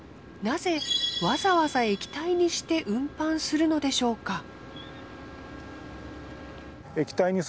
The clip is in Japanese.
なぜわざわざ液体にして運搬するのでしょうか？